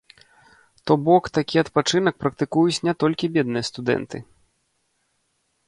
То бок такі адпачынак практыкуюць не толькі бедныя студэнты.